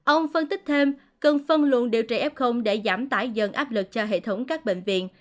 ông phân tích thêm cần phân luận điều trị f để giảm tải dần áp lực cho hệ thống các bệnh viện